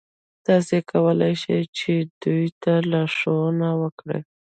تاسې کولای شئ چې دوی ته لارښوونه وکړئ.